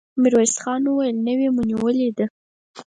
ميرويس خان وويل: نوې مو نيولې ده!